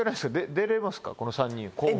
「出れますか」？